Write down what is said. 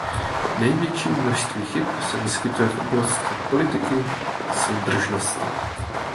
Největší množství chyb se vyskytuje v oblasti politiky soudržnosti.